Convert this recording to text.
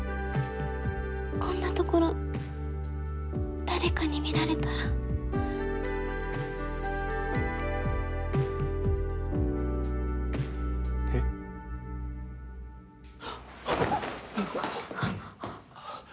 こんなところ誰かに見られたらえっあっ！